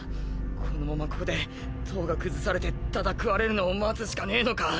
このままここで塔が崩されてただ食われるのを待つしかねぇのか。